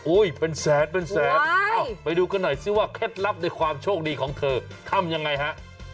เป็นแสนเป็นแสนเอ้าไปดูกันหน่อยสิว่าเคล็ดลับในความโชคดีของเธอทำยังไงฮะ